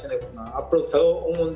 dan mereka akan lebih berkembang